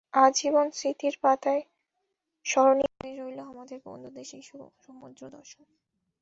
আজীবন স্মৃতির পাতায় স্মরণীয় হয়ে রইল আমাদের বন্ধুদের সেই সমুদ্র দর্শন।